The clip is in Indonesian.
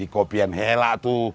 kopi yang helak tuh